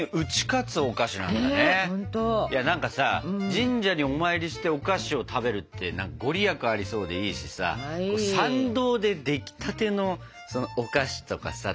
神社にお参りしてお菓子を食べるって何か御利益ありそうでいいしさ参道でできたてのお菓子とかさ食べるのいいよね。